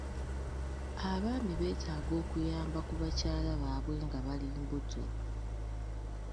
Abaami beetaaga okuyamba ku bakyala baabwe nga bali mbuto.